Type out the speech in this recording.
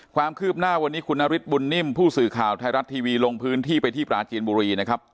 ความคืบหน้าวันนี้คุณนฤทธิบุญนิ่มผู้สื่อข่าวไทยรัฐทีวีลงพื้นที่ไปที่ปราจีนบุรีนะครับ